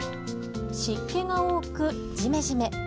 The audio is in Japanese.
湿気が多く、ジメジメ。